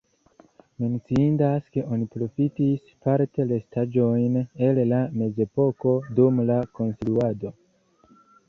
Menciindas, ke oni profitis parte restaĵojn el la mezepoko dum la konstruado.